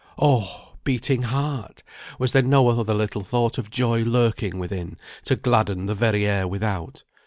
Oh! beating heart! was there no other little thought of joy lurking within, to gladden the very air without?